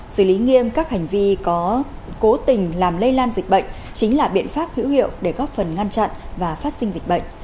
xử lý nghiêm các hành vi có cố tình làm lây lan dịch bệnh chính là biện pháp hữu hiệu để góp phần ngăn chặn và phát sinh dịch bệnh